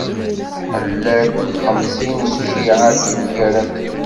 Tḥella-d xemsin n cciεat yemgaraden.